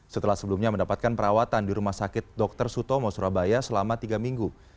setelah sebelumnya mendapatkan perawatan di rumah sakit dr sutomo surabaya selama tiga minggu